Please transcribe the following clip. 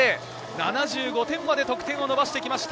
７５点まで得点を伸ばしてきました